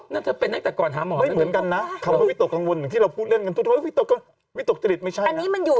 นั่นเป็นตั้งแต่ก่อนถามหมอ